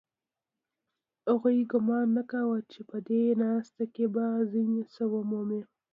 هغوی ګومان نه کاوه چې په دې ناسته کې به څه ومومي